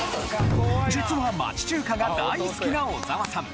実は町中華が大好きな小沢さん。